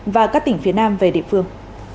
và các tỉnh phía nam về địa phương